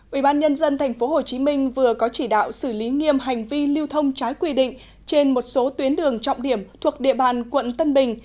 ủy ban nhân dân tp hcm vừa có chỉ đạo xử lý nghiêm hành vi lưu thông trái quy định trên một số tuyến đường trọng điểm thuộc địa bàn quận tân bình